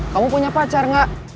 kamu punya pacar gak